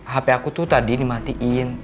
hp aku tuh tadi dimatiin